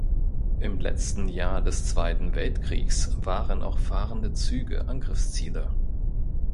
Im letzten Jahr des Zweiten Weltkriegs waren auch fahrende Züge Angriffsziele.